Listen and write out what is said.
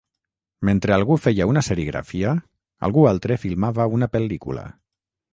Mentre algú feia una serigrafia, algú altre filmava una pel·lícula.